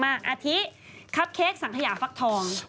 อาทิคับเค้กสังขยาฟักทอง